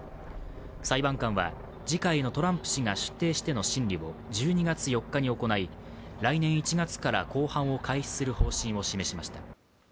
裁判官は次回のトランプ氏が出廷しての審理を１２月４日に行い、来年１月から公判を開始する方針を示しました。